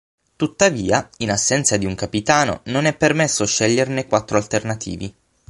Tuttavia in assenza di un capitano non è permesso sceglierne quattro alternativi.